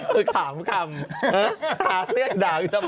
คือถามคำหาเรื่องด่ากูทำไม